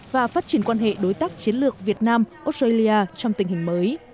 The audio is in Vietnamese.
và phát triển quan hệ đối tác chiến lược việt nam australia trong tình hình mới